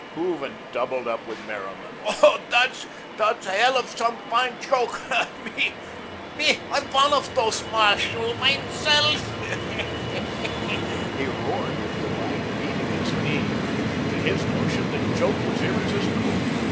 Hooven doubled up with merriment. "Ho! dot's hell of some fine joak. Me, I'M ONE OAF DOSE MAIRSCHELL MINE SELLUF," he roared with delight, beating his knee. To his notion, the joke was irresistible.